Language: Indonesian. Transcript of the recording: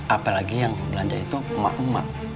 apalagi yang belanja itu emak emak